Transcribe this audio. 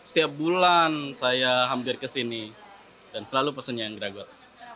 setiap bulan saya hampir ke sini dan selalu pesennya yang geragot